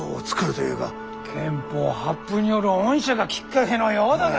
憲法発布による恩赦がきっかけのようだが。